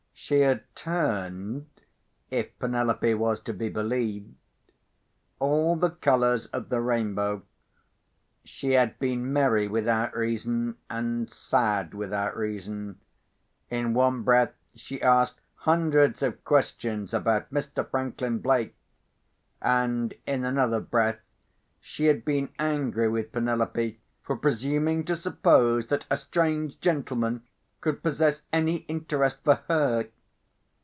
She had turned (if Penelope was to be believed) all the colours of the rainbow. She had been merry without reason, and sad without reason. In one breath she asked hundreds of questions about Mr. Franklin Blake, and in another breath she had been angry with Penelope for presuming to suppose that a strange gentleman could possess any interest for her.